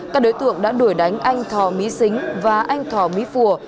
các đối tượng đã đuổi đánh anh thò mỹ xính và anh thò mỹ phùa